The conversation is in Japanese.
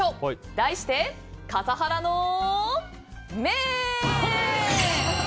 題して、笠原の眼！